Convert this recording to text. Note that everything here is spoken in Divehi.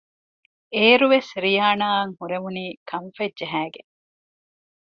އޭރުވެސް ރިޔާނާ އަށް ހުރެވުނީ ކަންފަތް ޖަހައިގެން